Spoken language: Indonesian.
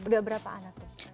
sudah berapa anak